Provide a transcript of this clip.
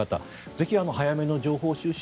ぜひ早めの情報収集